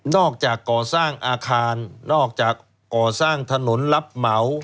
จากก่อสร้างอาคารนอกจากก่อสร้างถนนรับเหมา